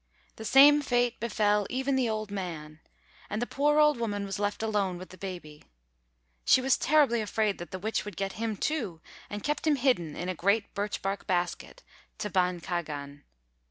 The same fate befell even the old man, and the poor old woman was left alone with the baby. She was terribly afraid that the witch would get him too, and kept him hidden in a great birch bark basket, t'bān kāgan.